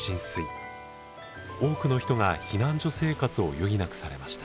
多くの人が避難所生活を余儀なくされました。